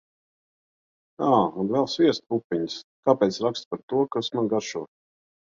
Ā, un vēl sviesta pupiņas. Kāpēc rakstu par to, kas man garšo?